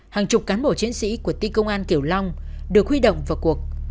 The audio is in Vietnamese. hàng chục cán bộ chiến sĩ của ti công an kiểu long được huy động vào cuộc